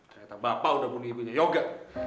ternyata bapak udah bunyi ibunya yoga